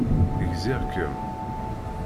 Gziɣ-kem.